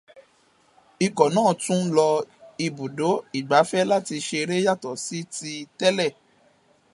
Ikọ̀ náà tún lọ ibùdó ìgbafẹ́ láti ṣeré yàtọ̀ sí ti tẹ́lẹ̀.